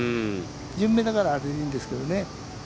順目だから、あれでいいんですけどね。